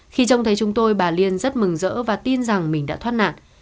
khi trông thấy chúng tôi bà liên rất mừng rỡ và tin rằng mình đã thoát nạn